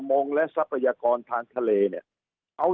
สุดท้ายก็ต้านไม่อยู่